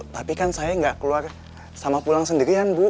tapi kan saya nggak keluar sama pulang sendirian bu